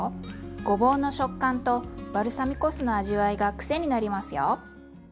ごぼうの食感とバルサミコ酢の味わいが癖になりますよ。